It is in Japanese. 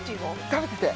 食べてて。